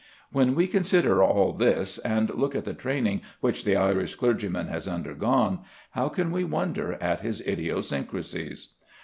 When we consider all this, and look at the training which the Irish clergyman has undergone, how can we wonder at his idiosyncrasies?